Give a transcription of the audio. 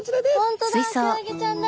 本当だクラゲちゃんだ。